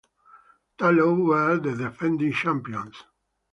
Tallow were the defending champions.